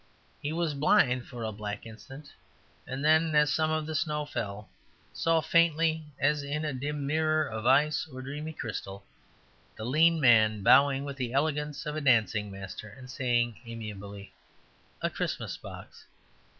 He was blind for a black instant; then as some of the snow fell, saw faintly, as in a dim mirror of ice or dreamy crystal, the lean man bowing with the elegance of a dancing master, and saying amiably, "A Christmas box."